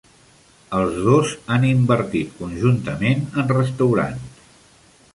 Els dos han invertit conjuntament en restaurants.